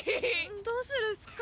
どうするっすか？